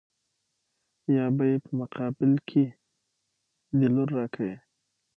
يا به يې په مقابل کې دې لور را کوې.